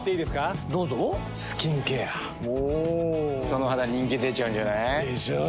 その肌人気出ちゃうんじゃない？でしょう。